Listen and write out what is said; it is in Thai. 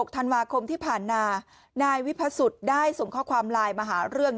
ธันวาคมที่ผ่านมานายวิพสุทธิ์ได้ส่งข้อความไลน์มาหาเรื่อง